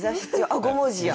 あっ５文字や！